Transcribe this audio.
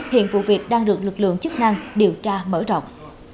hiện vụ việc đang được lực lượng chức năng điều tra mở rộng